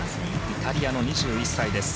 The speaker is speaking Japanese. イタリアの２１歳です。